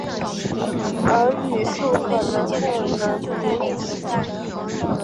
而语素可能不能独立存在。